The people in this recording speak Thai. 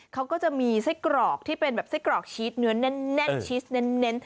เขาก็จะมีไส้กรอกที่เป็นแบบไส้กรอกชีสเนื้อแน่นชีสเน้น